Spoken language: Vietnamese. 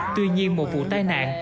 tuy nhiên một vụ tai nạn